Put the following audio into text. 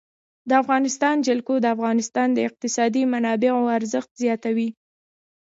د افغانستان جلکو د افغانستان د اقتصادي منابعو ارزښت زیاتوي.